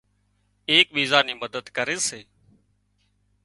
ايڪ ٻيزان ني مدد ڪري سي